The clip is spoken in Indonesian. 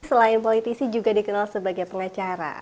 selain politisi juga dikenal sebagai pengacara